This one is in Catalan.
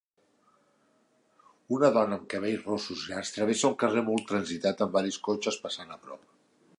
Una dona amb cabells rossos llargs travessa un carrer molt transitat amb varis cotxes passant a prop.